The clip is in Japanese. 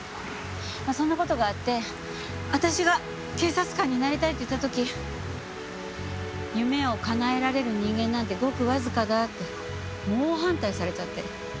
まあそんな事があって私が警察官になりたいって言った時夢をかなえられる人間なんてごくわずかだって猛反対されちゃって。